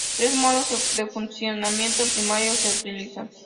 Tres modos de funcionamiento primarios se utilizan.